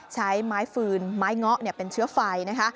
ใช้ไม้ฝืนไม้ง็อเป็นเชื้อไฟ